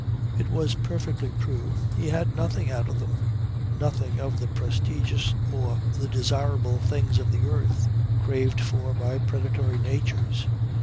"It was perfectly true. He had had nothing out of them nothing of the prestigious or the desirable things of the earth, craved for by predatory natures.